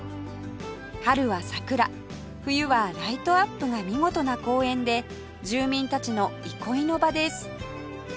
春は桜冬はライトアップが見事な公園で住民たちの憩いの場です